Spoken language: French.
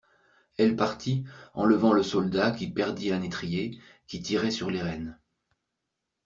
Elle partit, enlevant le soldat qui perdit un étrier, qui tirait sur les rênes.